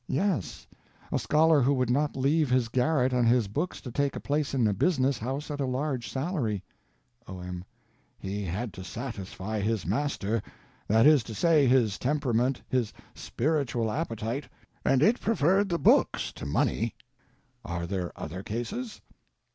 M. Yes. A scholar who would not leave his garret and his books to take a place in a business house at a large salary. O.M. He had to satisfy his master—that is to say, his temperament, his Spiritual Appetite—and it preferred books to money. Are there other cases?